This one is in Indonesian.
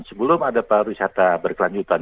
sebelum ada pariwisata berkelanjutan